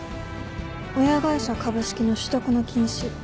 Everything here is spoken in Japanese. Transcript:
親会社株式の取得の禁止。